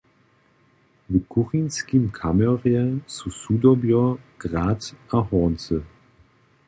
W kuchinskim kamorje su sudobjo, grat a horncy.